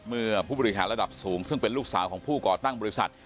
เมื่อผู้บริหารระดับสูงซึ่งเป็นลูกสาวของผู้ก่อตั้งบริษัท